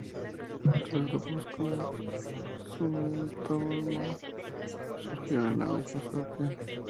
Otros grupos, como Sumitomo, siguieron la misma suerte.